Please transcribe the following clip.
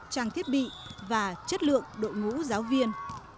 thiết bị và chất lượng đội ngũ giáo viên